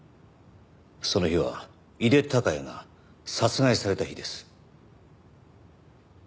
その日は井手孝也が殺害された日です。